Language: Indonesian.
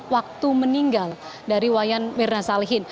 waktu meninggal dari wayan mirna salihin